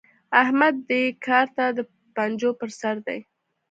احمد دې کار ته د پنجو پر سر دی.